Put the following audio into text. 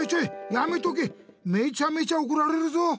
やめとけめちゃめちゃおこられるぞ！